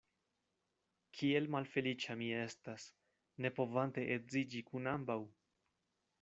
Kiel malfeliĉa mi estas, ne povante edziĝi kun ambaŭ.